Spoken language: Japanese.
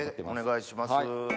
お願いします。